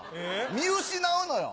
見失うのよ。